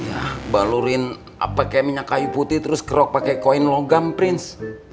ya balurin apa ke minyak kayu putih terus kerok pakai koin logam prins